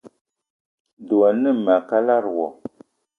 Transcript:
Dwé a ne ma a kalada wo.